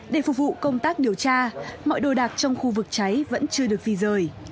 để phục vụ công tác điều tra mọi đồ đạc trong khu vực cháy vẫn chưa được di rời